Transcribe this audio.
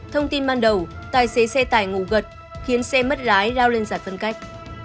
thông tin ban đầu tài xế xe tải ngủ gật khiến xe mất lái lao lên giải phân cách